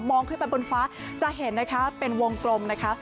องขึ้นไปบนฟ้าจะเห็นนะคะเป็นวงกลมนะคะ